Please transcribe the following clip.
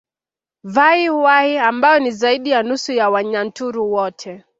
Vahi Wahi ambao ni zaidi ya nusu ya Wanyaturu wote